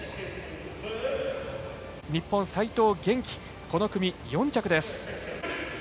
日本、齋藤元希この組、４着です。